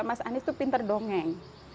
mas anies itu pinter dongeng